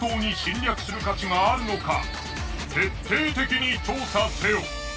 徹底的に調査せよ！